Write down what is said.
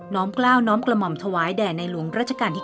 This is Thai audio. ้อมกล้าวน้อมกระหม่อมถวายแด่ในหลวงรัชกาลที่๙